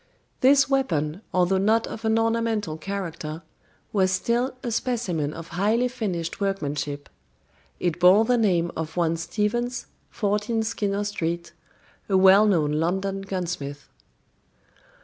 This weapon, although not of an ornamental character, was still a specimen of highly finished workmanship. It bore the name of one Stephens, 14 Skinner Street, a well known London gunsmith.